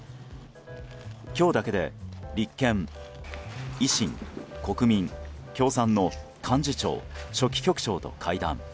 今日だけで立憲、維新、国民、共産の幹事長・書記局長と会談。